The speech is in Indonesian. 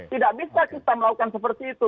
tidak bisa kita melakukan seperti itu